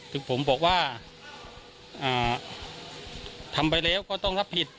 ทำไปต้องได้อะไรก็ต้องรับผิด